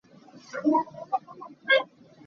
Na thil a kor lonak ding ah bil hna.